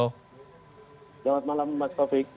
selamat malam mas kofik